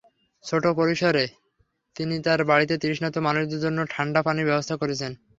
ছোট পরিসরে তিনি তাঁর বাড়িতে তৃষ্ণার্ত মানুষের জন্য ঠান্ডা পানির ব্যবস্থা করেছেন।